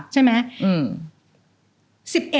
ใช่ไหม